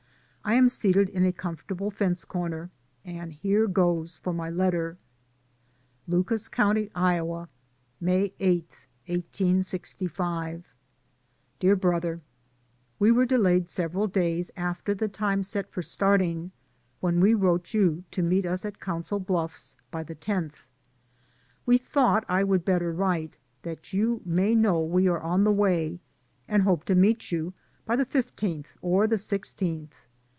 I am seated in a comfortable fence corner, and here goes for my letter : DAYS ON THE ROAD. 31 Lucas County, Iowa, May 8, 1865. Dear Brother: We were delayed sev eral days after the time set for starting, when we wrote you to meet us at Council Bluffs by the loth. We thought I would better write, that you may know we are on the way, and hope to meet you by the 1 5th or the i6th.